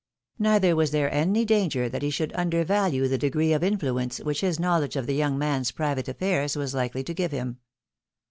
Neither was there any danger that he should undervalue the degree of influence which his knowledge of the young man's private afiairs was Hkely to give him.